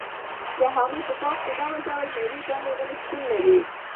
د هغوي په باغ کي ډول٬ډول ميوه داري وني شتون لري